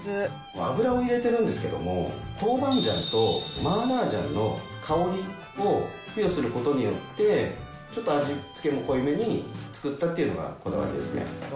油を入れてるんですけれども、トウバンジャンとマーラージャンの香りをすることによって、ちょっと味付けも濃いめに作ったっていうのがこだわりですね。